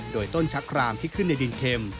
โดยต้นชะครามที่ขึ้นในดินเข็ม